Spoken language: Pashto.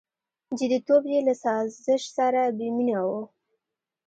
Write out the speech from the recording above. • جديتوب یې له سازش سره بېمینه و.